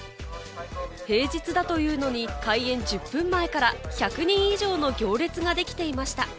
平日だというのに開園１０分前から１００人以上の行列ができていました。